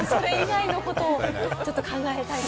それ以外のことを考えたいなと。